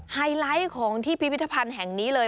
ไฮไลท์ของที่พิพิธภัณฑ์แห่งนี้เลย